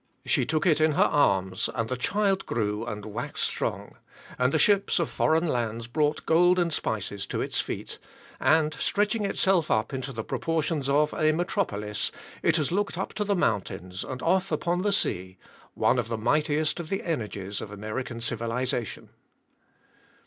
She took it in her arms, and the child grew and waxed strong; and the ships of foreign lands brought gold and spices to its feet; and, stretching itself up into the proportions of a metropolis, it has looked up to the mountains, and off upon the sea, one of the mightiest of the energies of American civilization.